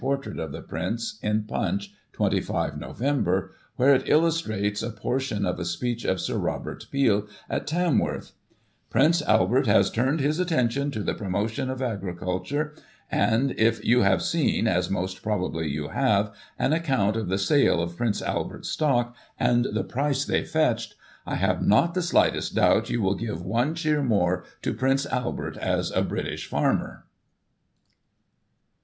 portrait of the prince in "Punch, 25 Nov., where it illustrates a portion of a speech of Sir Robert Peel at Tamworth :" Prince Albert has turned his attention to the promotion of agriculture ; and, if you have seen, as most probably you have, an account of the sale of Prince Albert's stock, and the price they fetched, I have not the slightest doubt you will give one cheer more to Prince Albert, as a British Farmer."